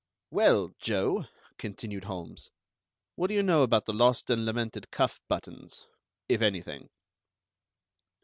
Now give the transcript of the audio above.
"Well, Joe," continued Holmes, "what do you know about the lost and lamented cuff buttons, if anything?"